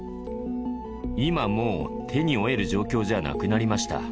今もう、手に負える状況じゃなくなりました。